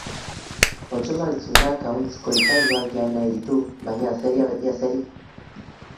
Otso maltzurrak ahuntz koitaduak jan nahi ditu, baina azeria beti azeri!